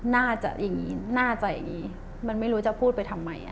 น่าจะอย่างนี้น่าจะดีมันไม่รู้จะพูดไปทำไม